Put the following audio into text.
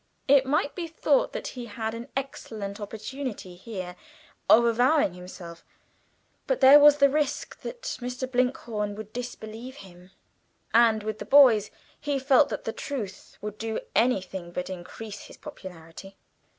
It might be thought that he had an excellent opportunity here of avowing himself, but there was the risk that Mr. Blinkhorn would disbelieve him, and, with the boys, he felt that the truth would do anything but increase his popularity.